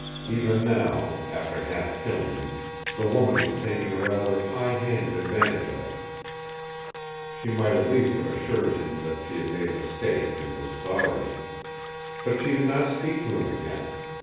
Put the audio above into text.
Even now, after half killing him, the woman was taking a rather high handed advantage of him. She might at least have assured him that she had made a mistake and was sorry. But she did not speak to him again.